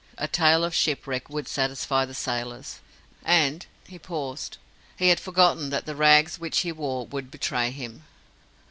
A tale of shipwreck would satisfy the sailors, and he paused he had forgotten that the rags which he wore would betray him.